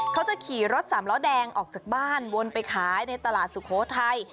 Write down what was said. เขาจะขี่รถสามล้อแดงออกจากบ้านวนไปขายในตลาดสุโขทัย